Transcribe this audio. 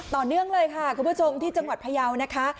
ต่อเนื่องเลยค่ะคุณผู้ชมที่จังหวัดพยาวนะคะ